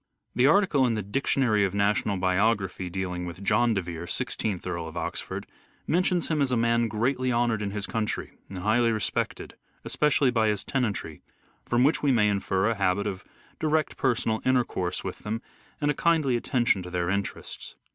The article in the Dictionary of National Biography dealing with John de Vere, Sixteenth Earl of Oxford, mentions him as a man greatly honoured in his county and highly respected, especially by his tenantry ; from which we may infer a habit of direct personal intercourse with them and a kindly attention to their interests.